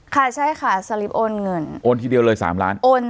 ค่ะใช่ค่ะสลิปโอนเงินโอนทีเดียวเลย๓ล้านโอน